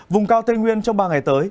vùng cao tây nguyên trong ba ngày tới